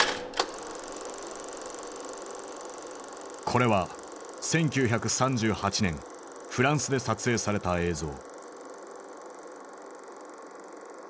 これは１９３８年フランスで撮影された映像。